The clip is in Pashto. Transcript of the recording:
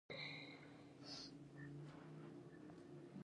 ده خپل کور ته لاړ.